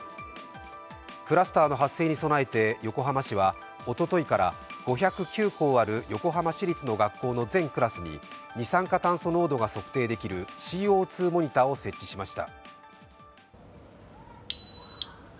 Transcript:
クラスターの発生に備えて横浜市はおとといから５０９校ある横浜市立の学校の全クラスに二酸化炭素濃度が測定できるＣＯ２モニターを設置しました。